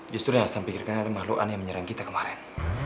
justru yang asan pikirkan ada makhluk aneh yang menyerang kita kemarin